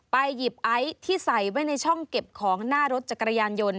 ไปในช่องเก็บของหน้ารถจักรยานยนต์